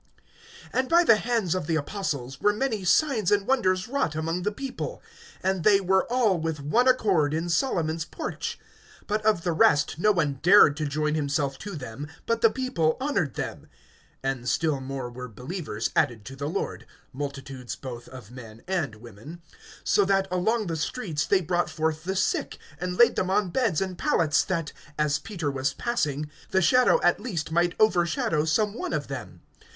(12)And by the hands of the apostles were many signs and wonders wrought among the people; and they were all with one accord in Solomon's porch. (13)But of the rest no one dared to join himself to them; but the people honored them; (14)(and still more were believers added to the Lord, multitudes both of men and women); (15)so that along the streets they brought forth the sick, and laid them on beds and pallets, that, as Peter was passing, the shadow at least might overshadow some one of them.